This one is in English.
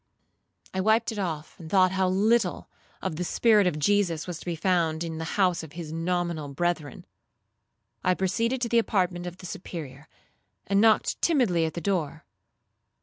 I wiped it off, and thought how little of the spirit of Jesus was to be found in the house of his nominal brethren. I proceeded to the apartment of the Superior, and knocked timidly at the door.